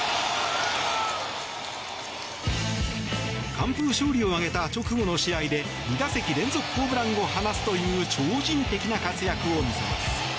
完封勝利を挙げた直後の試合で２打席連続ホームランを放つという超人的な活躍を見せます。